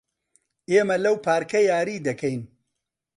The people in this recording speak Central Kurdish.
ئێمە لەو پارکە یاری دەکەین.